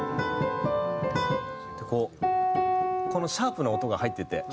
こうこのシャープの音が入ってて。